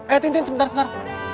eh tintin sebentar sebentar